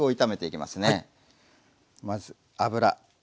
まず油。